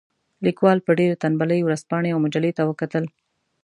لیکوال په ډېرې تنبلۍ ورځپاڼې او مجلې ته وکتل.